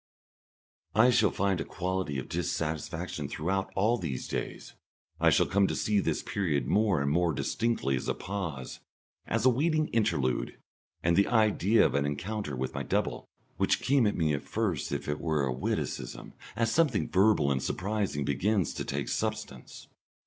I shall find a quality of dissatisfaction throughout all these days. I shall come to see this period more and more distinctly as a pause, as a waiting interlude, and the idea of an encounter with my double, which came at first as if it were a witticism, as something verbal and surprising, begins to take substance.